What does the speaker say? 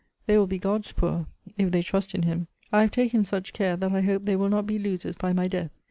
They will be God's poor, if they trust in Him. I have taken such care, that I hope they will not be losers by my death.